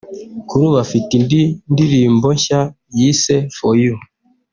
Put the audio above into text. kuri ubu afite indi ndirimbo nshya yise ‘For you'